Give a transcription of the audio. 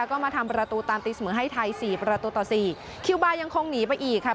ก็มาทำประตูตามตีเสมอให้ไทยสี่ประตูต่อสี่คิวบาร์ยังคงหนีไปอีกค่ะ